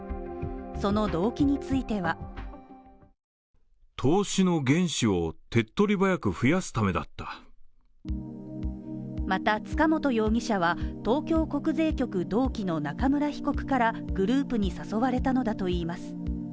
その動機についてはまた塚本容疑者は、東京国税局同期の中村被告からグループに誘われたのだといいます。